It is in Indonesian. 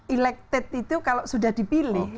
elected itu kalau sudah dipilih